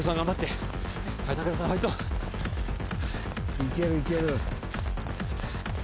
いけるいける。